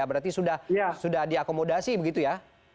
berarti sudah diakomodasi begitu ya